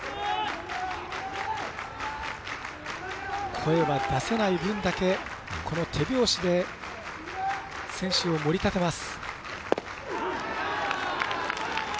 声は出せない分だけ手拍子で選手を盛り立てます。